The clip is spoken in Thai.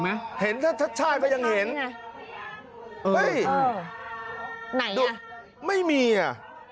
ไม่มีผลเอกประวิทย์วงสุวรรณรองนายรกธบรินิการ